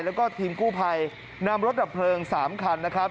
แล้วก็ทีมกู้ภัยนำรถดับเพลิง๓คันนะครับ